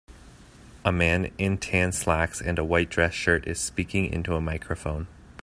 A man in tan slacks and a white dress shirt is speaking into a microphone.